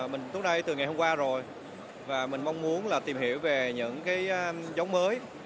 mình đến đây từ ngày hôm qua rồi và mình mong muốn tìm hiểu về những giống mới